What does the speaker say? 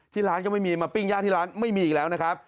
ร้านก็ไม่มีมาปิ้งย่างที่ร้านไม่มีอีกแล้วนะครับ